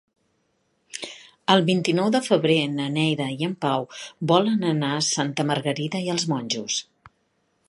El vint-i-nou de febrer na Neida i en Pau volen anar a Santa Margarida i els Monjos.